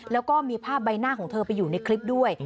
แล้วก็มีภาพใบหน้าของเธอไปอยู่ในคลิปด้วย